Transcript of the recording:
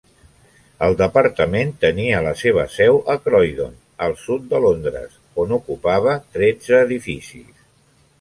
El departament tenia la seva seu a Croydon, al sud de Londres, on ocupava tretze edificis.